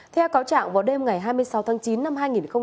theo cáo trạng vào đêm ngày hai mươi sáu tháng chín năm hai nghìn một mươi ba